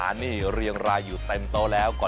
ไม่รอชาติเดี๋ยวเราลงไปพิสูจน์ความอร่อยกันครับ